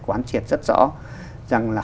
quán triệt rất rõ rằng là